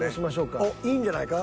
おっいいんじゃないか。